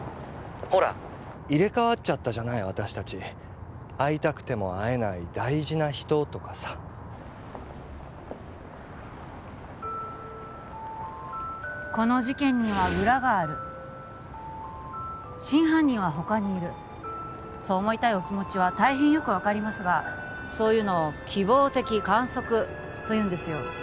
ほら入れ替わっちゃったじゃない私達会いたくても会えない大事な人とかさこの事件には裏がある真犯人は他にいるそう思いたいお気持ちは大変よく分かりますがそういうのを希望的観測というんですよ